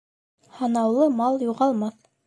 Һанаулы мал юғалмаҫ.